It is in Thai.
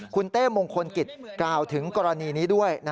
คุณเต้มงคลกิจกล่าวถึงกรณีนี้ด้วย